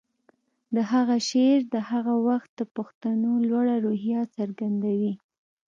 د هغه شعر د هغه وخت د پښتنو لوړه روحیه څرګندوي